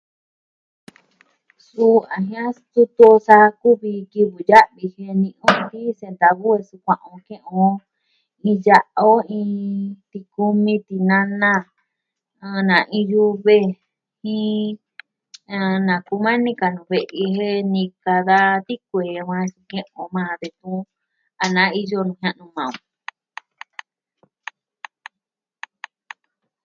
Suu a jia'an stutu o sa kuvi kivɨ ya'vi jen ni'in on nti'in sentavo jen su kua'an ke'en on iin ya'a o iin... tikumi, tinana, a na iin yuve jin ɨɨn... nakumani ka nuu ve'i jen nika, da tikuee da ke'en on majan detun a naa iyo nuu jia'nu maa on.